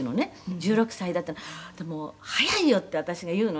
「１６歳だったら“でも早いよ”って私が言うのねもう」